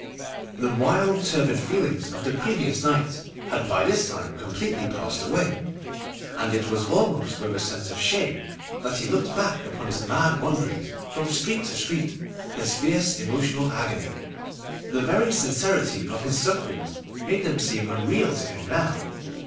The wild, turbid feelings of the previous night had by this time completely passed away, and it was almost with a sense of shame that he looked back upon his mad wanderings from street to street, his fierce emotional agony. The very sincerity of his sufferings made them seem unreal to him now.